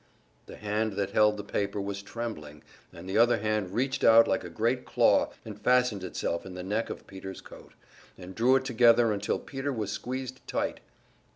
The hand that held the paper was trembling, and the other hand reached out like a great claw, and fastened itself in the neck of Peter's coat, and drew it together until Peter was squeezed tight.